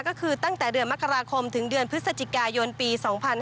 ก็คือตั้งแต่เดือนมกราคมถึงเดือนพฤศจิกายนปี๒๕๕๙